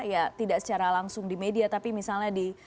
ya tidak secara langsung di media tapi misalnya di